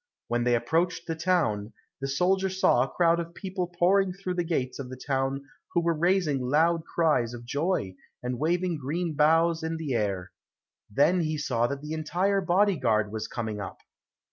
When they approached the town, the soldier saw a crowd of people pouring through the gate of the town who were raising loud cries of joy, and waving green boughs in the air. Then he saw that the entire body guard was coming up.